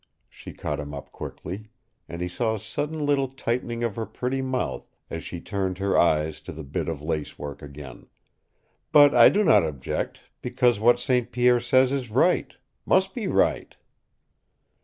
She caught him up quickly, and he saw a sudden little tightening of her pretty mouth as she turned her eyes to the bit of lace work again. "But I do not object, because what St. Pierre says is right must be right."